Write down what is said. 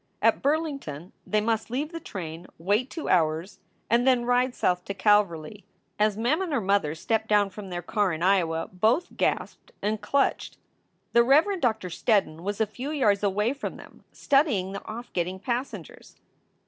At Burlington they must leave the train, wait two hours, and then ride south to Calverly. As Mem and her mother stepped down from their car in Iowa, both gasped and clutched. The Reverend Doctor Steddon was a few yards away from them, studying the off getting passengers.